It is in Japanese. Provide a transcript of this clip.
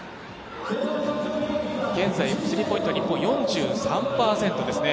現在、スリーポイント日本は４３％ですね。